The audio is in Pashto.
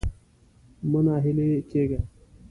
مه ناهيلی کېږه.